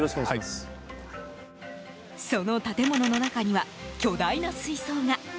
その建物の中には巨大な水槽が！